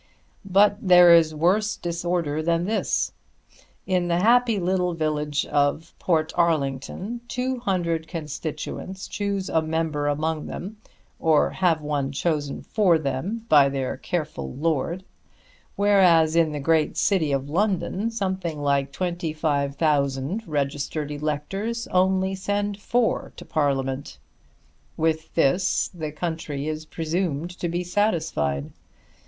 But there is worse disorder than this. In the happy little village of Portarlington 200 constituents choose a member among them, or have one chosen for them by their careful lord; whereas in the great city of London something like 25,000 registered electors only send four to Parliament. With this the country is presumed to be satisfied.